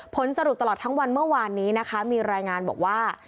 ผลสรุปตลอดทั้งวันเมื่อวานนี้นะคะมีรายงานบอกว่า